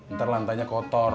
ntar lantainya kotor